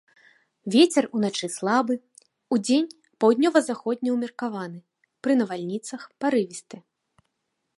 Вецер уначы слабы, удзень паўднёва-заходні умеркаваны, пры навальніцах парывісты.